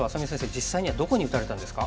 実際にはどこに打たれたんですか？